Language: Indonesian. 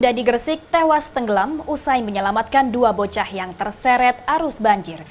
warga di gresik tewas tenggelam usai menyelamatkan dua bocah yang terseret arus banjir